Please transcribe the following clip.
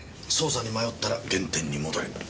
捜査に迷ったら原点に戻れ。